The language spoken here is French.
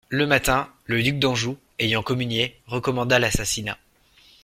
Le matin, le duc d'Anjou, ayant communié, recommanda l'assassinat.